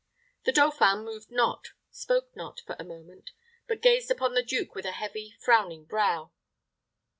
The dauphin moved not, spoke not, for a moment, but gazed upon the duke with a heavy, frowning brow.